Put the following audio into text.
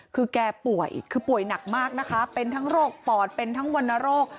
คือแกป่วยคือป่วยหนักมากนะคะเป็นทั้งโรคปอดเป็นทั้งวรรณโรค